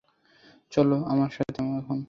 চলো আমার সাথে এখন।